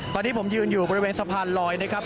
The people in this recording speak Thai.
ตอนนี้ผมยืนอยู่บริเวณสะพานลอยนะครับ